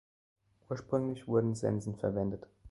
Ursprünglich wurden Sensen verwendet.